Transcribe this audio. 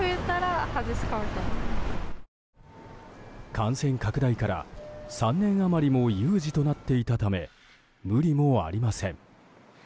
感染拡大から３年余りも有事となっていたため無理もありません。